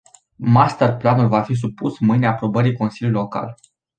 Master planul va fi supus mâine aprobării consiliului local.